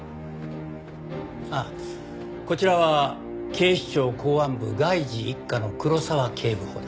ああこちらは警視庁公安部外事一課の黒沢警部補だ。